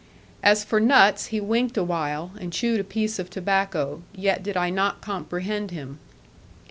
As for nuts he winked awhile, and chewed a piece of tobacco; yet did I not comprehend him.